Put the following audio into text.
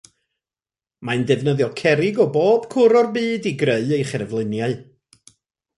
Mae'n defnyddio cerrig o bob cwr o'r byd i greu ei cherfluniau.